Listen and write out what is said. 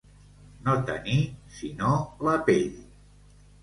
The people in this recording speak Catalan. No tenir sinó la pell.